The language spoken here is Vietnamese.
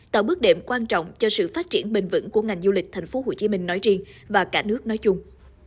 tạo bước đệm quan trọng cho sự phát triển bền vững của ngành du lịch tp hcm nói riêng và cả nước nói chung